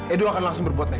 edo akan langsung berpura pura